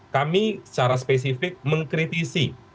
kami secara spesifik mengkritisi